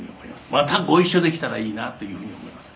「またご一緒できたらいいなというふうに思います」